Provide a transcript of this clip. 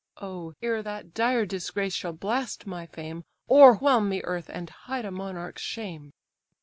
Oh! ere that dire disgrace shall blast my fame, O'erwhelm me, earth! and hide a monarch's shame."